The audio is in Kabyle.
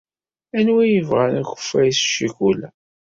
Anwa ay yebɣan akeffay s ccikula?